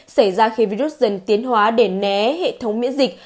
xảy ra khi virus dần tiến hóa để né hệ thống miễn dịch